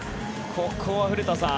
ここは古田さん